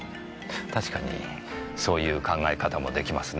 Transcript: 確かにそういう考え方もできますね。